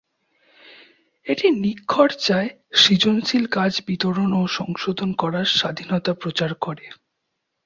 এটি নিখরচায় সৃজনশীল কাজ বিতরণ ও সংশোধন করার স্বাধীনতা প্রচার করে।